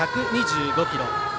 １２５キロ。